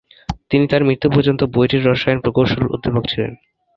তিনি তার মৃত্যু পর্যন্ত বুয়েটের রসায়ন প্রকৌশলের অধ্যাপক ছিলেন।